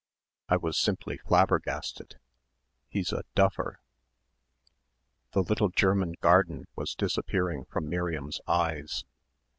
I was simply flabbergasted. He's a duffer." The little German garden was disappearing from Miriam's eyes....